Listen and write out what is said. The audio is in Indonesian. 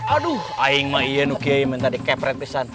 aduh aing ma iye nukie men tadi keprek pisan